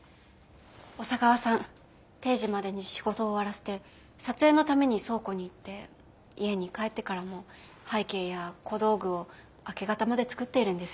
小佐川さん定時までに仕事を終わらせて撮影のために倉庫に行って家に帰ってからも背景や小道具を明け方まで作っているんです。